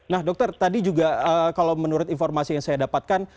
nah dokter tadi juga kalau menurut informasi yang saya dapatkan